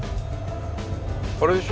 あれでしょ？